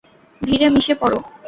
ভিড়ে মিশে পড়ো।